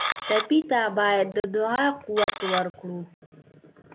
ټپي ته باید د دعا قوت ورکړو.